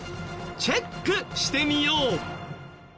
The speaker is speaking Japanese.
チェックしてみよう！